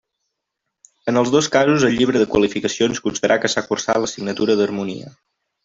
En els dos casos al llibre de qualificacions constarà que s'ha cursat l'assignatura d'harmonia.